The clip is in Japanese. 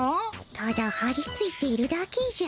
ただはりついているだけじゃ。